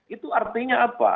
itu artinya apa